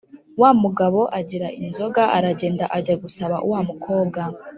wa mugabo agira inzoga aragenda ajya gusaba wa mukobwa